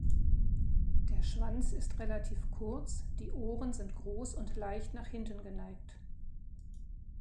Der Schwanz ist relativ kurz, die Ohren sind groß und leicht nach hinten geneigt.